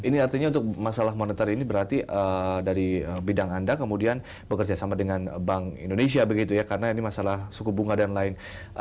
ini artinya untuk masalah moneter ini berarti dari bidang anda kemudian bekerja sama dengan bank indonesia begitu ya karena ini masalah suku bunga dan lain